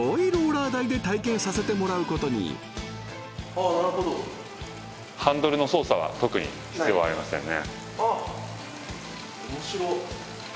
あなるほどハンドルの操作は特に必要ありませんね